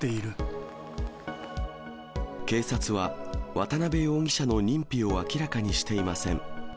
警察は、渡辺容疑者の認否を明らかにしていません。